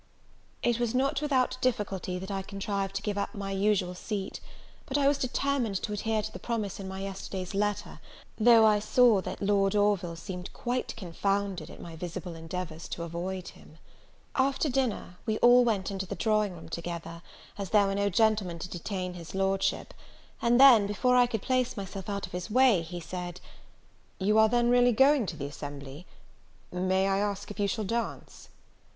It was not without difficulty that I contrived to give up my usual seat; but I was determined to adhere to the promise in my yesterday's letter, though I saw that Lord Orville seemed quite confounded at my visible endeavours to avoid him. After dinner, we all went into the drawing room together, as there were no gentlemen to detain his Lordship; and then, before I could place myself out of his way, he said, "You are then really going to the assembly? May I ask if you shall dance?"